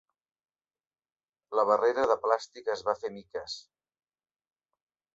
La barrera de plàstic es va fer miques.